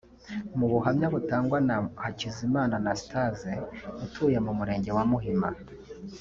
Mu buhamya butangwa na Hakizimana Anastase utuye mu Murenge wa Muhima